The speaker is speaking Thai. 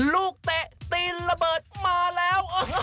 ลูกเตะตีนระเบิดมาแล้วอ้าว